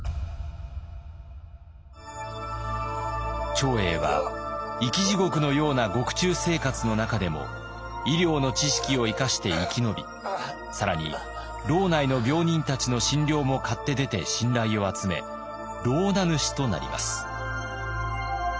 長英は生き地獄のような獄中生活の中でも医療の知識を生かして生き延び更に牢内の病人たちの診療も買って出て信頼を集め牢名主となります。